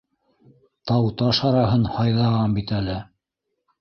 Тау-таш араһын һайҙаған бит әле...